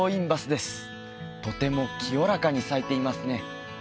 とても清らかに咲いていますね